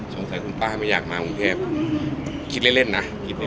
สงสัยคุณป้าไม่อยากมามรุงเทพคิดเล่นนะ